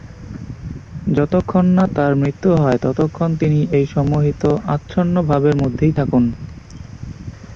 যতক্ষণ-না তাঁর মৃত্যু হয় ততক্ষণ তিনি এই সম্মোহিত, আচ্ছন্নভাবের মধ্যেই থাকুন।